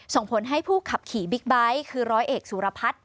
ส่งผลให้ผู้ขับขี่บิ๊กไบท์คือร้อยเอกสุรพัฒน์